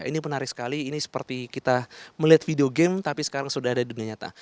ini menarik sekali ini seperti kita melihat video game tapi sekarang sudah ada di dunia nyata